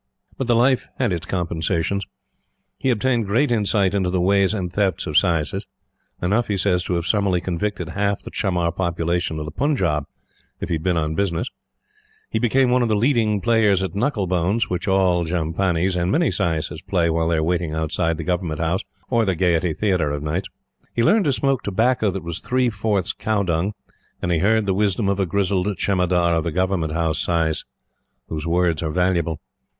But the life had its compensations. He obtained great insight into the ways and thefts of saises enough, he says, to have summarily convicted half the chamar population of the Punjab if he had been on business. He became one of the leading players at knuckle bones, which all jhampanis and many saises play while they are waiting outside the Government House or the Gaiety Theatre of nights; he learned to smoke tobacco that was three fourths cowdung; and he heard the wisdom of the grizzled Jemadar of the Government House saises, whose words are valuable.